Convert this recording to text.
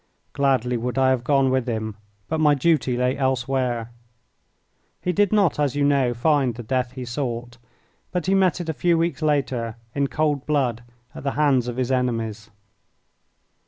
Gladly would I have gone with him, but my duty lay elsewhere. He did not, as you know, find the death he sought, but he met it a few weeks later in cold blood at the hands of his enemies.